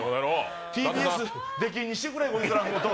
ＴＢＳ、出禁にしてくれ、こいつらのこと。